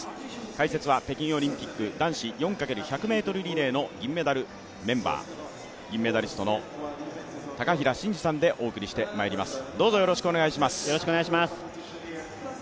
解説は北京オリンピック男子４×１００ｍリレーのメンバー、銀メダリストの高平慎士さんでお送りしてまいります。